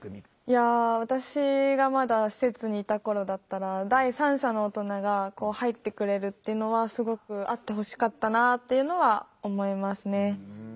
いや私がまだ施設にいた頃だったら第三者の大人が入ってくれるっていうのはすごくあってほしかったなっていうのは思いますね。